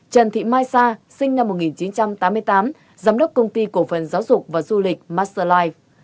trần thị mai sa sinh năm một nghìn chín trăm tám mươi tám giám đốc công ty cổ phần giáo dục và du lịch master life